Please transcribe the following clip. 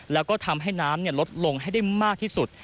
แล้วก็ทำให้น้ำลดลงให้ได้มากที่สุด